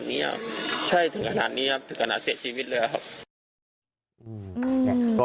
แบบนี้ครับใช่ถึงขณะนี้ครับถึงขณะเสียชีวิตเลยครับ